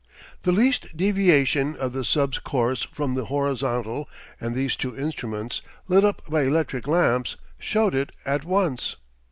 The least deviation of the sub's course from the horizontal and these two instruments, lit up by electric lamps, showed it at once.